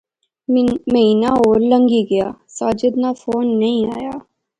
مہینہ ہور لنگی گیا، ساجدے ناں فون نی آیا